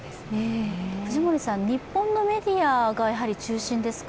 藤森さん、日本のメディアが中心ですか？